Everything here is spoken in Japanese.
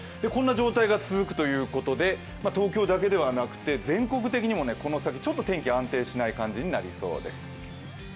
こんな状態が続くということで、東京だけではなくて全国的にもこの先、天気が安定しない感じになりそうです。